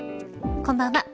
こんばんは。